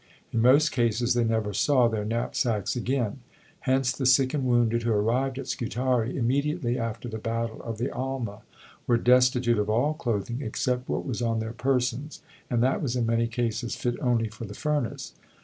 In most cases they never saw their knapsacks again. Hence the sick and wounded who arrived at Scutari immediately after the Battle of the Alma were destitute of all clothing except what was on their persons, and that was in many cases fit only for the furnace.